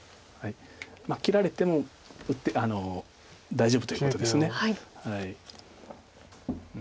切られても大丈夫ということです。